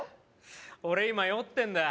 俺今酔ってんだよ